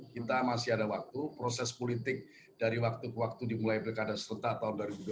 kita masih ada waktu proses politik dari waktu ke waktu dimulai pilkada serentak tahun dua ribu dua puluh